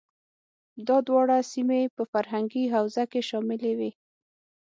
دا دواړه سیمې په فرهنګي حوزه کې شاملې وې.